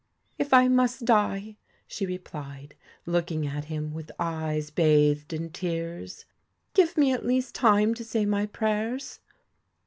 'If I must die,' she replied, looking at him with eyes bathed in tears, ' give me at least time to say my prayers.'